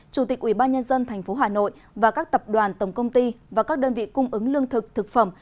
chủ tịch ubnd tp hà nội và các tập đoàn tổng công ty và các đơn vị cung ứng lương thực thực phẩm